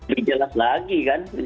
dijelas lagi kan